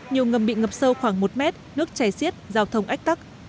nhiều ngầm bị ngập sâu khoảng một mét nước chảy xiết giao thông ách tắc